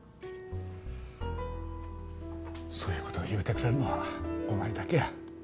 そういう事言うてくれるのはお前だけや。